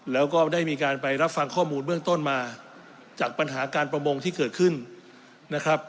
แล้วก็ได้มีการไปรับฟังข้อมูลเบื้องต้นมาจากปัญหาการประมงที่เกิดขึ้นนะครับ